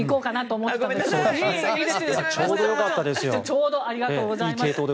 ちょうどありがとうございます。